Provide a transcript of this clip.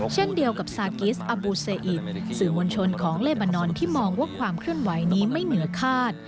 เช่นเดียวกับซากิสอบูเซอิตสื่อมวลชนของเลบานอนที่มองว่าความเคลื่อนไหวนี้ไม่เหนือคาด